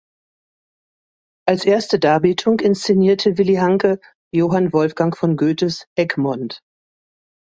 Als erste Darbietung inszenierte Willi Hanke Johann Wolfgang von Goethes "Egmont".